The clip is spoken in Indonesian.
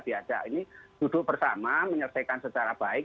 diajak ini duduk bersama menyelesaikan secara baik